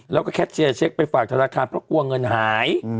แล้วก็แคทเชียร์เช็คไปฝากธนาคารเพราะกลัวเงินหาย